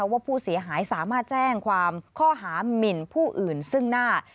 ว่าผู้เสียหายสามารถแจ้งความข้อหามินผู้อื่นซึ่งหน้า